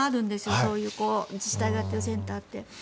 そういう自治体がやっているセンターって。